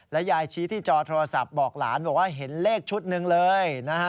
ยายชี้ที่จอโทรศัพท์บอกหลานบอกว่าเห็นเลขชุดหนึ่งเลยนะฮะ